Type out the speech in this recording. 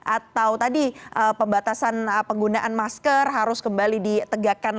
atau tadi pembatasan penggunaan masker harus kembali ditegakkan